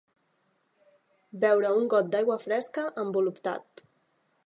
Beure un got d'aigua fresca amb voluptat.